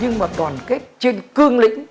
nhưng mà đoàn kết trên cương lĩnh